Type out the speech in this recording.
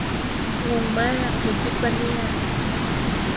งงมาก ใครคิดฟะเนี่ย